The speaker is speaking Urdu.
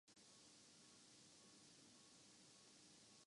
آج صبح میں دیر سے بیدار ہوا